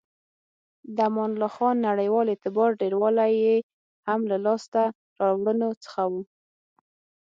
د امان الله خان نړیوال اعتبار ډیروالی یې هم له لاسته راوړنو څخه و.